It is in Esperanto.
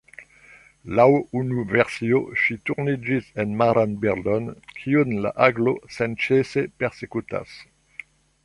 Laŭ unu versio ŝi turniĝis en maran birdon, kiun la aglo senĉese persekutas.